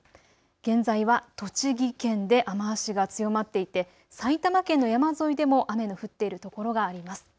現在は栃木県で雨足が強まっていて埼玉県の山沿いでも雨の降っているところがあります。